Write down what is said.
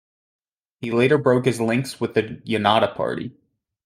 He later broke his links with the Janata Party.